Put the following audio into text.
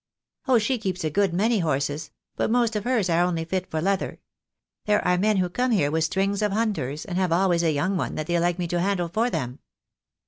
"Oh, she keeps a good many horses; but most of hers are only fit for leather. There are men who come here with strings of hunters, and have always a young one that they like me to handle for them."